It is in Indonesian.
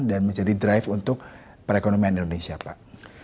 dan menjadi drive untuk perekonomian indonesia pak